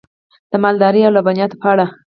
د مالدارۍ او لبنیاتو په اړه: